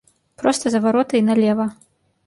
Проста за вароты і налева.